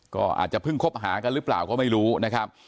ก็อาจจะเพิ่งคบหากันหรือเปล่าก็ไม่รู้นะครับ